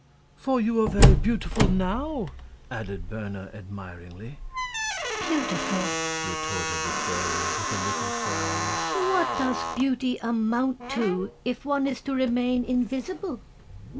"For you are very beautiful NOW," added Berna, admiringly. "Beautiful!" retorted the fairy, with a little frown; "what does beauty amount to, if one is to remain invisible?"